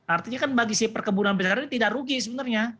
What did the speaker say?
artinya kan bagi si perkebunan besar ini tidak rugi sebenarnya